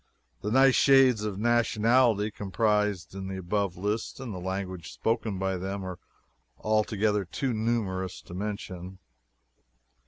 The nice shades of nationality comprised in the above list, and the languages spoken by them, are altogether too numerous to mention.